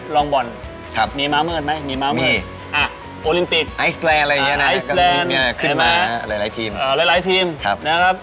ลองเป่า